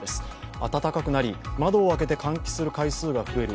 暖かくなり、窓を開けて換気する回数が増える